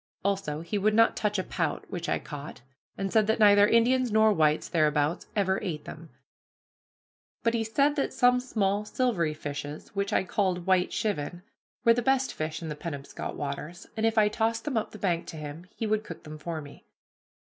Also, he would not touch a pout, which I caught, and said that neither Indians nor whites thereabouts ever ate them. But he said that some small silvery fishes, which I called white chivin, were the best fish in the Penobscot waters, and if I would toss them up the bank to him, he would cook them for me.